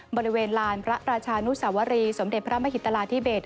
บริเวณลานพระราชานุสวรีสมเด็จพระมหิตราธิเบศ